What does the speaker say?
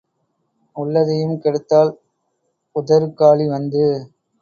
உள்ளதையும் கெடுத்தாள், உதறு காலி வந்து.